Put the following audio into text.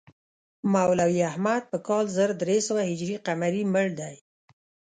مولوي احمد په کال زر درې سوه هجري قمري مړ دی.